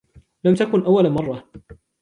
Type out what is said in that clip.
لم تكن أول مرة.